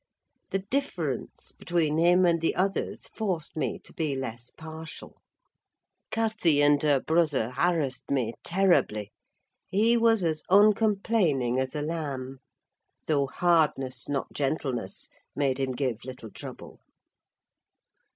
The difference between him and the others forced me to be less partial. Cathy and her brother harassed me terribly: he was as uncomplaining as a lamb; though hardness, not gentleness, made him give little trouble.